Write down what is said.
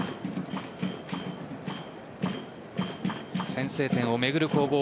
先制点を巡る攻防。